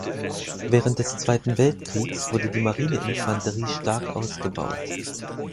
Während des Zweiten Weltkriegs wurde die Marineinfanterie stark ausgebaut.